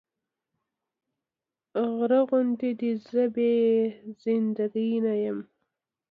غره غوندې دې زه بې زنده ګي نه يم